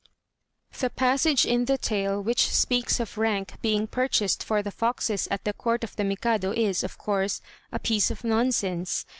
The passage in the tale which speaks of rank being purchased for the foxes at the court of the Mikado is, of course, a piece of nonsense.